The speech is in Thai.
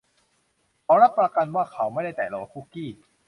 เขารับประกันว่าเขาไม่ได้แตะโหลคุกกี้